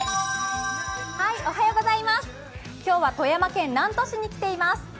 今日は富山県南砺市に来ています。